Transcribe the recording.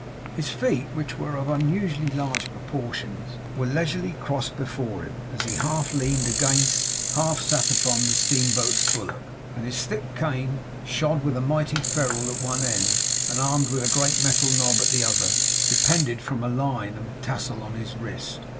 His feet, which were of unusually large proportions, were leisurely crossed before him as he half leaned against, half sat upon, the steamboat's bulwark; and his thick cane, shod with a mighty ferule at one end and armed with a great metal knob at the other, depended from a line and tassel on his wrist.